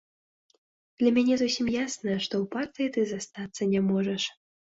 Для мяне зусім ясна, што ў партыі ты застацца не можаш.